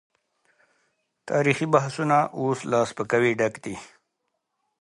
تاريخي بحثونه اوس له سپکاوي ډک دي.